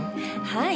はい。